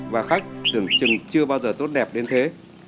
và khách tưởng chừng chưa bao giờ tốt đẹp đến thế